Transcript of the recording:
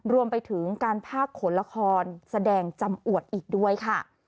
รวมไปถึงการพากขนละครแสดงจำอวดอีกด้วยค่ะ